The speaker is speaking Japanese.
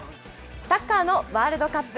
サッカーのワールドカップ。